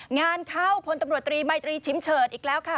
งานเข้าพลตำรวจตรีมัยตรีชิมเฉิดอีกแล้วค่ะ